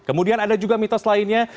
kemudian ada juga mitos lainnya